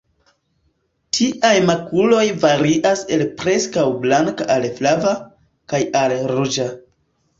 Tiaj makuloj varias el preskaŭ blanka al flava, kaj al ruĝa.